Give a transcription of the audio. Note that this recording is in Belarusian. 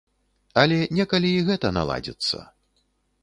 Але некалі і гэта наладзіцца.